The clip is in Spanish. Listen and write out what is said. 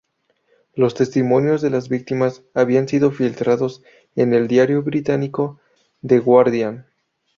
Los testimonios de las víctimas habían sido filtrados en el diario británico "The Guardian".